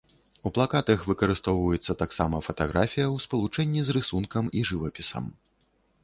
У плакатах выкарыстоўваецца таксама фатаграфія ў спалучэнні з рысункам і з жывапісам.